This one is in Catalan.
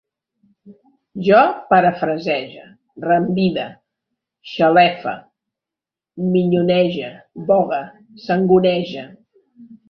Jo parafrasege, reenvide, xalefe, minyonege, vogue, sangonege